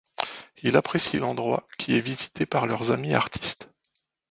Il apprécie l'endroit, qui est visité par leurs amis artistes.